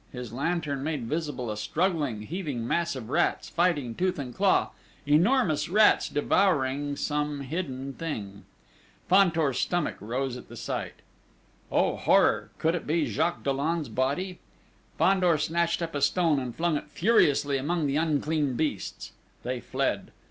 His lantern made visible a struggling, heaving mass of rats, fighting tooth and claw, enormous rats devouring some hidden thing! Fandor's stomach rose at the sight. Oh, horror! Could it be Jacques Dollon's body? Fandor snatched up a stone and flung it furiously among the unclean beasts. They fled.